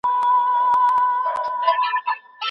سياسي لوبه بايد د اصولو پر بنسټ ترسره سي.